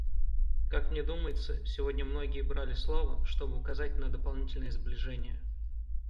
Как мне думается, сегодня многие брали слово, чтобы указать на дополнительное сближение.